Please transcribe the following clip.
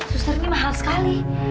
suster ini mahal sekali